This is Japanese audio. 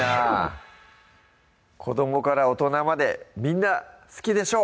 子どもから大人までみんな好きでしょう！